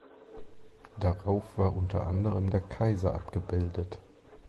Darauf war unter anderem der Kaiser abgebildet.